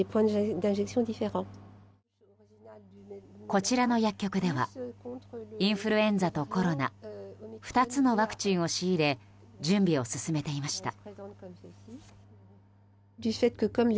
こちらの薬局ではインフルエンザとコロナ２つのワクチンを仕入れ準備を進めていました。